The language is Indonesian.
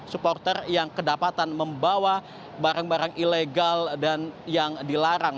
supporter yang kedapatan membawa barang barang ilegal dan yang dilarang